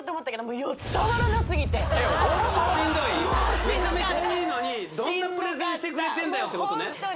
もうしんどかっためちゃめちゃいいのにどんなプレゼンしてくれてんだよってことね